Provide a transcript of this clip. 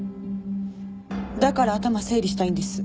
だから頭整理したいんです。